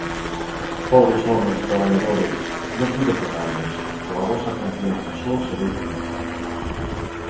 Pobres homes, traballadores! Non pido pregarias; coa vosa confianza só serei feliz.